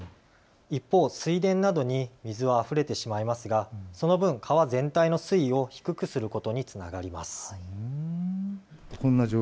一方、水田などに水はあふれてしまいますがその分、川全体の水位を低くすることにつながります。